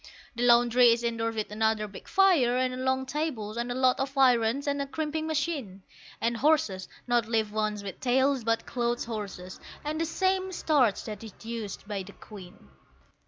The laundry is indoors with another big fire, and long tables, and a lot of irons, and a crimping machine; And horses (not live ones with tails, but clothes horses) and the same starch that is used by the Queen.